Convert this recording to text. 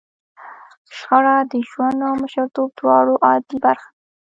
شخړه د ژوند او مشرتوب دواړو عادي برخه ده.